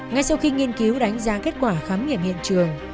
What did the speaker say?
ngay sau khi nghiên cứu đánh giá kết quả khám nghiệm hiện trường